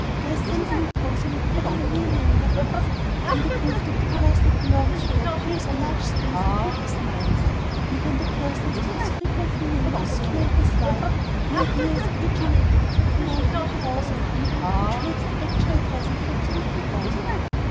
There is something imposing in hearing a mere name very often, in the proof that the person it belongs to fills a large space in people's minds: and when the person is thus frequently named with fear and dislike, an idea is originated of a command over powers of evil which makes the actual presence absolutely awful.